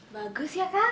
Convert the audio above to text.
bagus ya kang